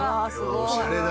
おしゃれな。